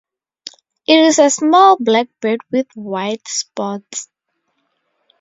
It is a small black bird with white spots.